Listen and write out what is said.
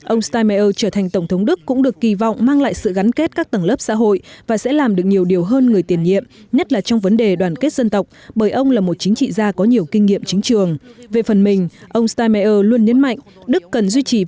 ông steinmeier trở thành tổng thống đức cũng được kỳ vọng mang lại sự gắn kết các tầng lớp xã hội và sẽ làm được nhiều điều hơn người tiền nhiệm nhất là trong vấn đề đoàn kết dân tộc bởi ông là một chính trị gia có nhiều kinh nghiệm chính trường